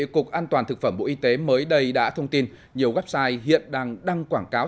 cục an toàn thực phẩm bộ y tế mới đây đã thông tin nhiều website hiện đang đăng quảng cáo